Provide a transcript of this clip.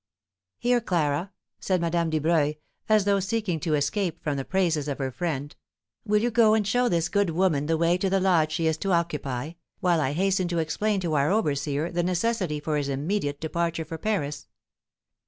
"Here, Clara," said Madame Dubreuil, as though seeking to escape from the praises of her friend, "will you go and show this good woman the way to the lodge she is to occupy, while I hasten to explain to our overseer the necessity for his immediate departure for Paris?"